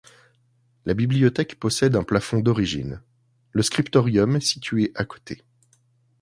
La bibliothèque possède un plafond d'origine, le scriptorium est situé à côté.